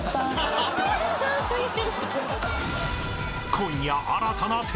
［今夜］